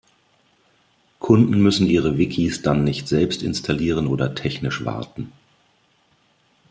Kunden müssen ihre Wikis dann nicht selbst installieren oder technisch warten.